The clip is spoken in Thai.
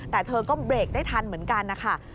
แต่เธอก็เบรกได้ทันเหมือนกันนะคะ